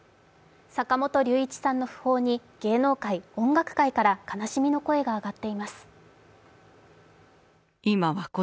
坂本龍一さんの訃報に芸能界、音楽界から悲しみの声が上がっています。